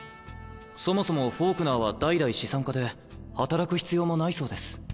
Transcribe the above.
そもそもフォークナーは代々資産家で働く必要もないそうです。